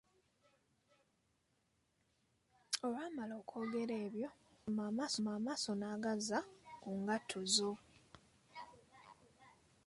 Olwamala okwogera ebyo, oluvannyuma amaaso n‘agazza ku ngatto zo.